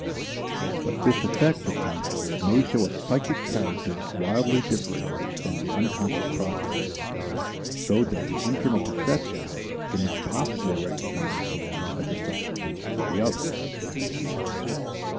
But this effect of consciousness may show a psychic character widely differing from the unconscious process, so that the internal perception cannot possibly recognize the one as a substitute for the other.